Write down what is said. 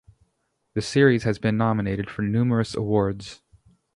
The series has been nominated for numerous awards.